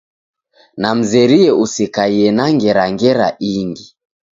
Namzerie usekaie na ngera ngera ingi.